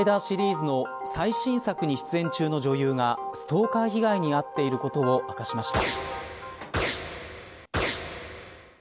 仮面ライダーシリーズの最新作に出演中の女優がストーカー被害に遭っていることを明かしました。